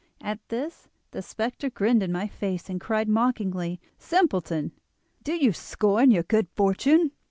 "At this the spectre grinned in my face and cried mockingly: "'Simpleton! Do you scorn your good fortune?